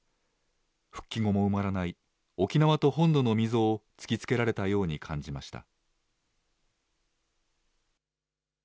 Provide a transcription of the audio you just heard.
復帰後も埋まらない沖縄と本土の溝を突きつけられたように感じました。